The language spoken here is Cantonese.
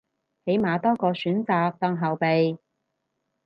起碼多個選擇當後備